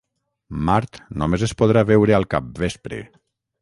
Mart només es podrà veure al capvespre